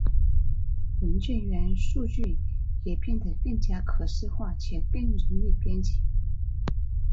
文件元数据也变得更加可视化且更容易编辑。